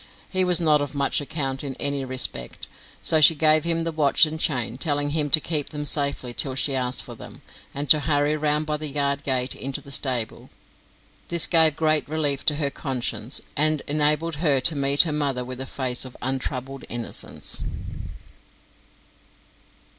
He was not of much account in any respect; so she gave him the watch and chain, telling him to keep them safely till she asked for them, and to hurry round by the yard gate into the stable. This gave great relief to her conscience, and enabled her to meet her mother with a face of untroubled innocence.